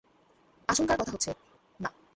আশংকার কথা হচ্ছে, না!